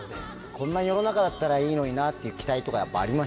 こんな世の中だったらいいのになっていう期待とかありました？